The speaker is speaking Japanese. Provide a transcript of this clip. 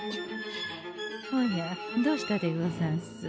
おやどうしたでござんす？